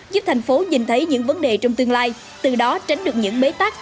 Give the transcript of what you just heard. giúp thành phố nhìn thấy những vấn đề trong tương lai từ đó tránh được những bế tắc